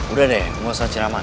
udah deh gak usah ceraman